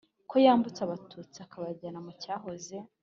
Ko yambutsa abatutsi akabajyana mu cyahoze